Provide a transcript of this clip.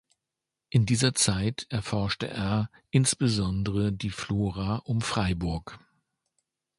In dieser Zeit erforschte er insbesondere die Flora um Freiburg.